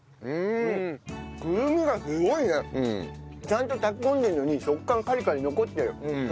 ちゃんと炊き込んでるのに食感カリカリ残ってる。